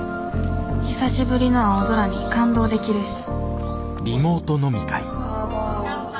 久しぶりの青空に感動できるし「乾杯」。